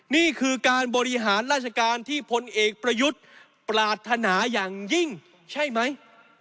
นี่คือการบริหารราชการที่พลเอกประยุทธ์ปรารถนาอย่างยิ่งใช่ไหม